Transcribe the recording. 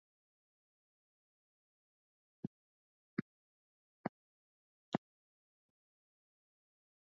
habari zaidi zinaeleza kuwa watu hawa wameuwawa katika maeneo ya nor uste na ambonin